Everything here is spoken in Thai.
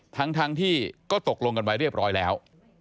ทั้งที่ก็ตกลงกันไว้เรียบร้อยแล้ว